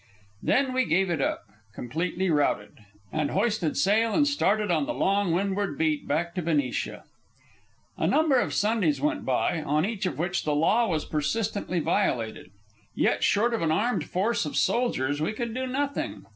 Then we gave it up, completely routed, and hoisted sail and started on the long wind ward beat back to Benicia. A number of Sundays went by, on each of which the law was persistently violated. Yet, short of an armed force of soldiers, we could do nothing.